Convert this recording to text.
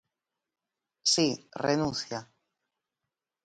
Si, renuncia.